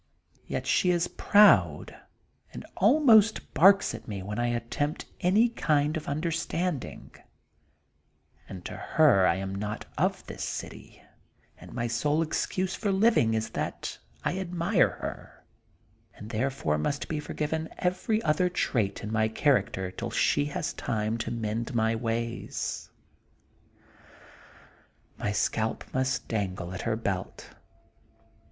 Yet she is proud and almost barks at me when I at THE GOLDEN BOOK OF SPRINGFIELD 81 tempt any kind of understandings and to her I am not of this city, and my sole excuse for living is that I admire her, and therefore most be forgiven every other trait in my character till she has time to mend my ways. My scalp must dangle at her belt.